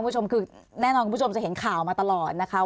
คุณผู้ชมคือแน่นอนคุณผู้ชมจะเห็นข่าวมาตลอดนะคะ